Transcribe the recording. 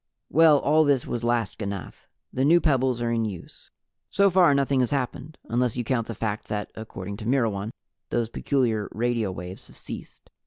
Well, all this was last ganath. The new pebbles are in use. So far nothing has happened unless you count the fact that, according to Myrwan, those peculiar radio waves have ceased.